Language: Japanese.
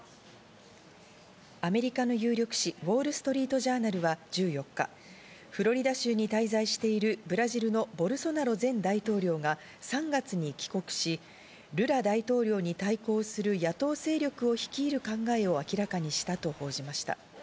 アメリカの有力紙ウォール・ストリート・ジャーナルは１４日、フロリダ州に滞在しているブラジルのボルソナロ前大統領が３月に帰国し、ルラ大統領に対抗する野党勢力を率いる考えを明らかにしたと報じました。